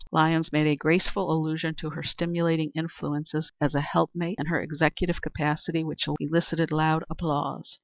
Lyons made a graceful allusion to her stimulating influence as a helpmate and her executive capacity, which elicited loud applause.